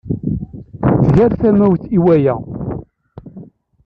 Tger tamawt i waya.